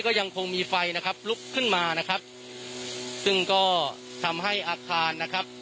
ก็ยังคงมีไฟนะครับลุกขึ้นมานะครับซึ่งก็ทำให้อาคารนะครับ